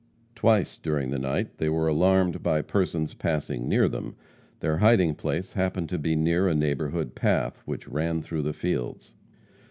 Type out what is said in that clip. Twice during the night they were alarmed by persons passing near them. Their hiding place happened to be near a neighborhood path which ran through the fields.